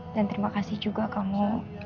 dan terima kasih juga kamu